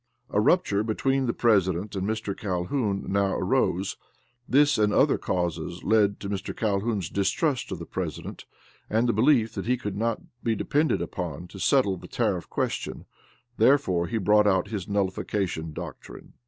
A rupture between the president and Mr. Calhoun now arose; this and other causes led to Mr. Calhoun's distrust of the president, and the belief that he could not be depended upon to settle the tariff question; therefore he brought out his nullification doctrine.